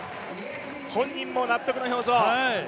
本人も納得の表情。